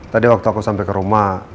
tadi waktu aku sampai ke rumah